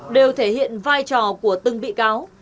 đều thể hiện vai trò của từng bị cáo